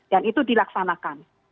dan itu dilaksanakan